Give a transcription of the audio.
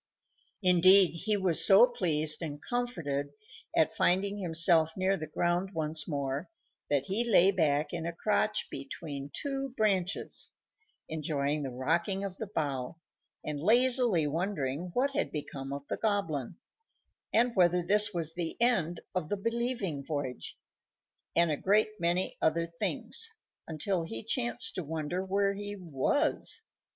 Indeed, he was so pleased and comforted at finding himself near the ground once more that he lay back in a crotch between two branches, enjoying the rocking of the bough, and lazily wondering what had become of the Goblin, and whether this was the end of the Believing Voyage, and a great many other things, until he chanced to wonder where he was.